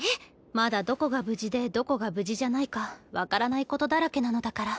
まだどこが無事でどこが無事じゃないか分からないことだらけなのだから。